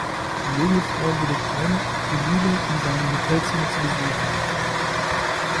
Die junge Frau willigt ein, Emile in seinem Hotelzimmer zu besuchen.